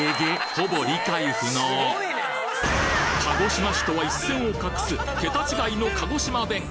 ほぼ鹿児島市とは一線を画す桁違いの鹿児島弁！